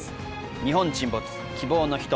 「日本沈没−希望のひと−」